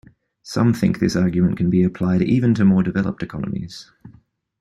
Some think this argument can be applied even to more developed economies.